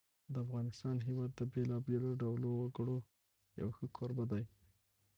د افغانستان هېواد د بېلابېلو ډولو وګړو یو ښه کوربه دی.